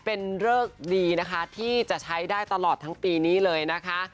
เป็นเริกดีนะคะที่จะใช้ได้ตลอดทั้งปีนี้เลยนะคะ